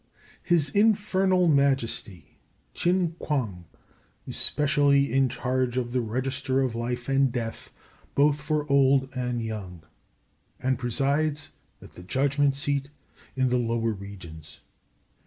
His Infernal Majesty Ch'in Kuang is specially in charge of the register of life and death both for old and young, and presides at the judgment seat in the lower regions.